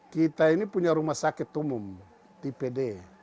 kita ini punya rumah sakit umum tipd